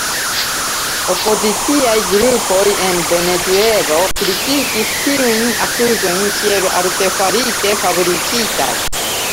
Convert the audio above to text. Opoziciaj grupoj en Venezuelo kritikis tiujn akuzojn kiel artefarite fabrikitaj.